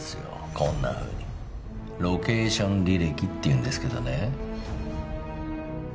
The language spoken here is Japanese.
こんなふうにロケーション履歴っていうんですけどね